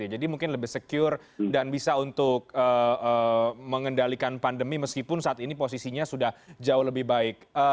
jadi mungkin lebih secure dan bisa untuk mengendalikan pandemi meskipun saat ini posisinya sudah jauh lebih baik